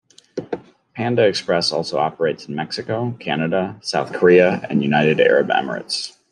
Panda Express also operates in Mexico, Canada, South Korea, and United Arab Emirates.